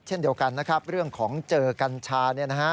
เช่นเดียวกันนะครับเรื่องของเจอกัญชา